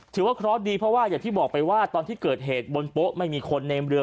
ถือว่าเคราะห์ดีเพราะว่าอย่างที่บอกไปว่าตอนที่เกิดเหตุบนโป๊ะไม่มีคนในเรือ